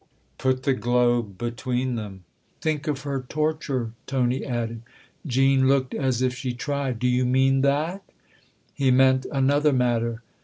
" Put the globe between them. Think of her torture," Tony added. Jean looked as if she tried. " Do you mean that?" He meant another matter.